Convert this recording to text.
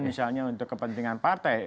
misalnya untuk kepentingan partai